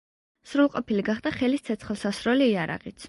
სრულყოფილი გახდა ხელის ცეცხლსასროლი იარაღიც.